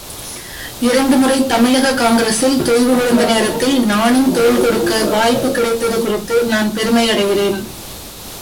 இரண்டுமுறை தமிழகக் காங்கிரஸில் தொய்வு விழுந்தநேரத்தில் நானும் தோள்கொடுக்க வாய்ப்புக் கிடைத்தது குறித்து நான் பெருமை அடைகிறேன்.